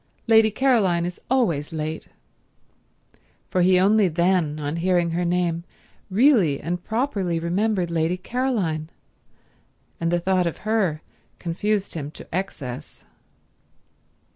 Lady Caroline is always late"—for he only then, on hearing her name, really and properly remembered Lady Caroline, and the thought of her confused him to excess.